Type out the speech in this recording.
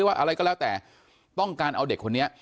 ว่าอะไรก็แล้วแต่ต้องการเอาเด็กคนนี้